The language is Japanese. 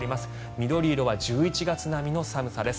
緑色は１１月並みの寒さです。